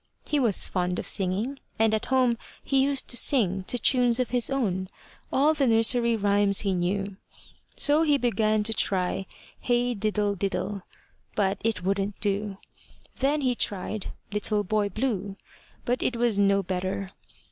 He was fond of singing, and at home he used to sing, to tunes of his own, all the nursery rhymes he knew. So he began to try `Hey diddle diddle', but it wouldn't do. Then he tried `Little Boy Blue', but it was no better.